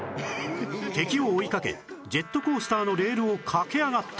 敵を追いかけジェットコースターのレールを駆け上がった